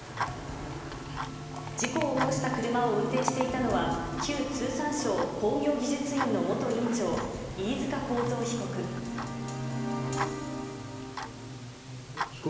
事故を起こした車を運転していたのは、旧通産省工業技術院の元院長、飯塚幸三被告。